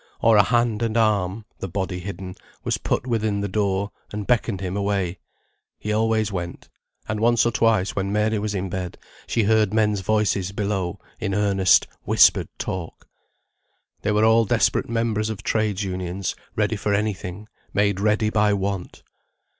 Or a hand and arm (the body hidden) was put within the door, and beckoned him away. He always went. And once or twice, when Mary was in bed, she heard men's voices below, in earnest, whispered talk. They were all desperate members of Trades' Unions, ready for any thing; made ready by want.